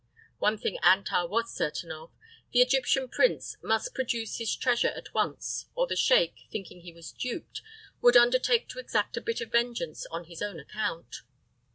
One thing Antar was certain of the Egyptian prince must produce his treasure at once or the sheik, thinking he was duped, would undertake to exact a bit of vengeance on his own account.